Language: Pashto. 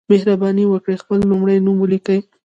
مهرباني وکړئ خپل لمړی نوم ولیکئ